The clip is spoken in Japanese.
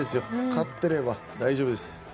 勝っていれば大丈夫です。